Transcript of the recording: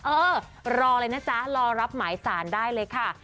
เออรอเลยนะจ๊ะรอรับหมายสารได้เลยค่ะ